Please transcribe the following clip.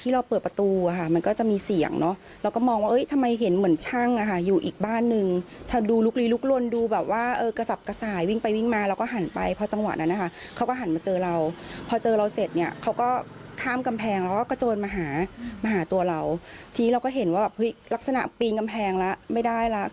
เราก็เห็นว่าหรือลักษณะปีนกำแพงแล้วไม่ได้แล้ว